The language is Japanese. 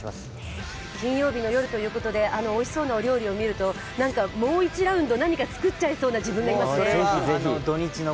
金曜日の夜ということで、おいしそうなお料理を見ると、もう１ラウンド何か作っちゃいそうな自分がいますね。